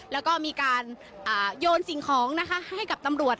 แล้วก็มีการโยนสิ่งของนะคะให้กับตำรวจ